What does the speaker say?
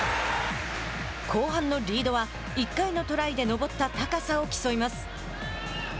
後半のリードは１回のトライで登った高さを競います。